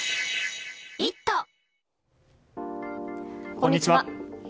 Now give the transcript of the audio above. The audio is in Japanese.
こんにちは。